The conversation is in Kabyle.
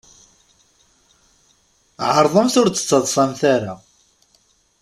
Ɛeṛḍemt ur d-ttaḍṣamt ara.